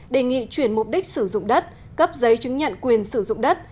đề nghị chuyển mục đích sử dụng đất cấp giấy chứng nhận quyền sử dụng đất